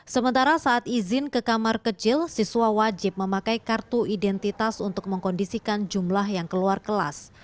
sementara saat izin ke kamar kecil siswa wajib memakai kartu identitas untuk mengkondisikan jumlah yang keluar kelas